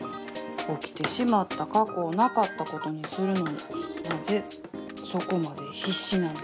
起きてしまった過去をなかったことにするのになぜそこまで必死なんでしょう。